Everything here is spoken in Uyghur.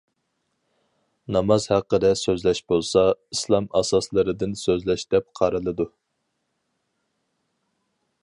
ناماز ھەققىدە سۆزلەش بولسا، ئىسلام ئاساسلىرىدىن سۆزلەش دەپ قارىلىدۇ.